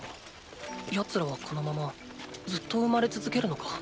奴らはこのままずっと生まれ続けるのか？